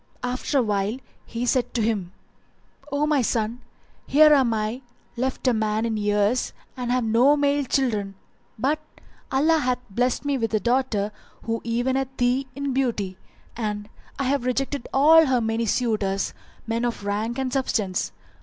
After a while he said to him, "O my son, here am I left a man in years and have no male children, but Allah hath blessed me with a daughter who eventh thee in beauty; and I have rejected all her many suitors, men of rank and substance.